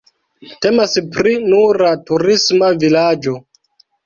Temas pri nura turisma vilaĝo.